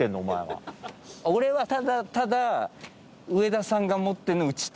俺はただただ上田さんが持ってるの撃ちたいです。